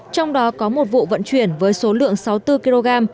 trong đó có một vụ vận chuyển với số lượng sáu mươi bốn kg